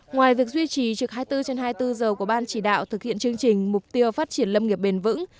ngoài việc duy trì trực hai mươi bốn trên hai mươi bốn giờ của ban chỉ đạo thực hiện chương trình mục tiêu phát triển lâm nghiệp bền vững